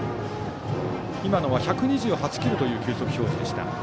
今のは１２８キロという球速表示でした。